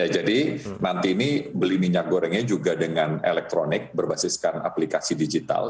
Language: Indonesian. jadi nanti ini beli minyak gorengnya juga dengan elektronik berbasiskan aplikasi digital